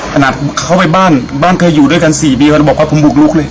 ขนาดเขาไปบ้านบ้านเคยอยู่ด้วยกัน๔ปีมาแล้วบอกว่าผมบุกลุกเลย